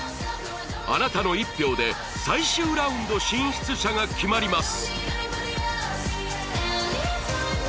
あなたの１票で最終ラウンド進出者が決まります